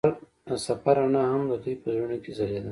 د سفر رڼا هم د دوی په زړونو کې ځلېده.